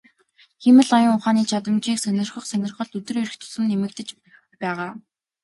Хиймэл оюун ухааны чадамжийг сонирхох сонирхол өдөр ирэх тусам нэмэгдэж байгаа.